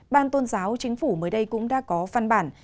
ban tôn giáo chính phủ mới đây cũng đã có văn bản